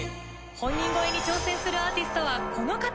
本人超えに挑戦するアーティストはこの方。